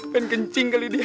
ben kencing kali dia